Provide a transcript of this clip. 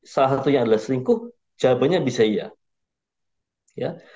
salah satu yang adalah seringkuh jawabannya bisa iya